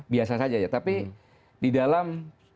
biasa saja ya tapi di dalam